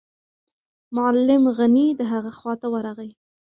معلم غني د هغه خواته ورغی.